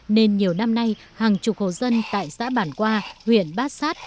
nên nhiều năm nay hàng chục hộ dân tại xã bản qua huyện bát sát